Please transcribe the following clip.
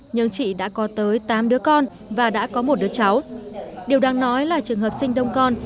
nhưng chị đã có tới tám đứa con và đã có một đứa cháu điều đang nói là trường hợp sinh đông con